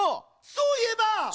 そういえば！